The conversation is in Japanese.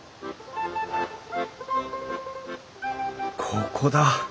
ここだ！